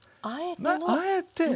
あえての。